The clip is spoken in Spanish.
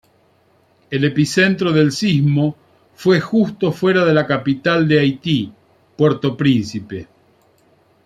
El epicentro del sismo fue justo fuera de la capital de Haití, Puerto Príncipe.